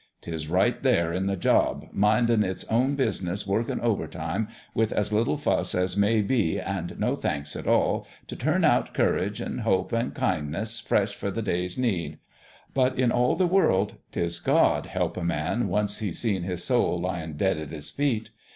'Tis right there on the job, mindin' its own business, workin' over time, with as little fuss as may be an' no thanks at all, t' turn out courage an' hope an' kindness fresh for the day's need. But in all the world 'tis God help a man once he's seen his soul lyin' dead at his feet